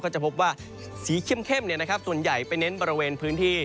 ก็จะพบว่าสีเข้มเนี่ยนะครับส่วนใหญ่ไปเน้นบริเวณพื้นที่